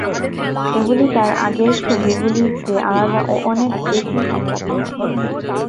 এগুলি তার আগের ছবিগুলির চেয়ে আলাদা ও অনেক বেশি সংলাপনির্ভর।